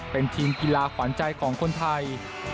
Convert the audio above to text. เป็นทีมกีฬาขวัญใจของคนไทย